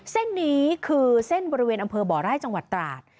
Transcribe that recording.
เส้นนี้คือเส้นบริเวณอำเภอบ่อไร่จังหวัดตราด